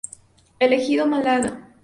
El Ejido, Málaga".